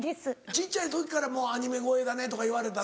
小ちゃい時からもう「アニメ声だね」とか言われたの？